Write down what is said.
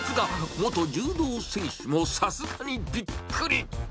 元柔道選手もさすがにびっくり。